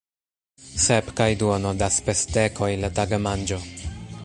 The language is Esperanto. Sep kaj duono da spesdekoj la tagmanĝo!